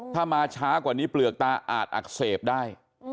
ถ้ามาช้ากว่านี้เปลือกตาอาจอักเสบได้